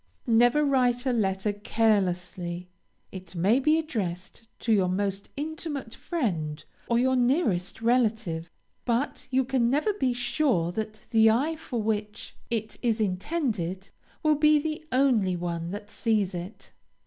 Never write a letter carelessly. It may be addressed to your most intimate friend, or your nearest relative, but you can never be sure that the eye for which it is intended, will be the only one that sees it.